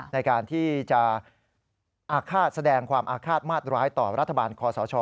ในการที่จะอาฆาตแสดงความอาฆาตมาดร้ายต่อรัฐบาลคอสช